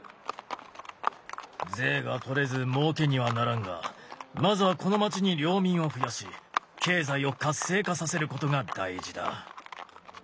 税が取れずもうけにはならんがまずはこの街に領民を増やし経済を活性化させることが大事だ。